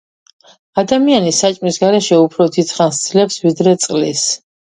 ადამიანი საჭმლის გარეშე უფრო დიდ ხანს ძლებს ვიდრე წყლის